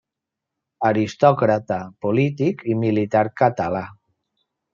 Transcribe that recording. Aristòcrata polític i militar català.